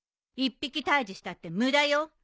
１匹退治したって無駄よ。